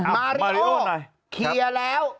มาริโอเคลียร์แล้ว